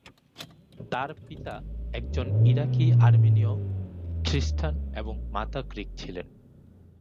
তার পিতা একজন ইরাকি-আর্মেনীয় খ্রিস্টান এবং মাতা গ্রিক ছিলেন।